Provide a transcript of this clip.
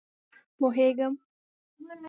پوهېږم.